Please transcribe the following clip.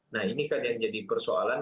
nah ini kan yang jadi persoalan